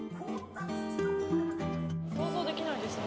想像できないですね。